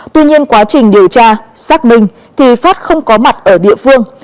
tuy nhiên quá trình điều tra xác minh thì pháp không có mặt ở địa phương